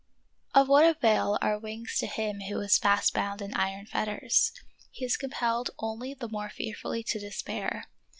Of what avail are wings to him who is fast bound in iron fetters ? He is compelled only the more fearfully to despair.